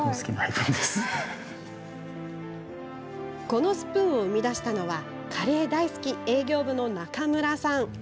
このスプーンを生み出したのはカレー大好き営業部の中村さん。